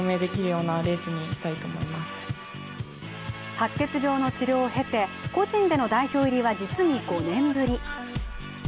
白血病の治療を経て個人での代表入りは実に５年ぶり。